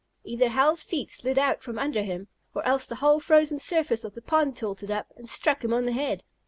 Either Hal's feet slid out from under him, or else the whole frozen surface of the pond tilted up, and struck him on the head.